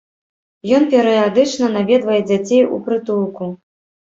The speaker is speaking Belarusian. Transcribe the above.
Ён перыядычна наведвае дзяцей у прытулку.